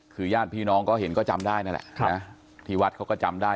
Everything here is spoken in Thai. คือญาติพี่น้องก็เห็นก็จำได้นั่นแหละที่วัดเขาก็จำได้